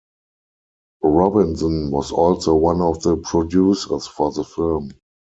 Robinson was also one of the producers for the film.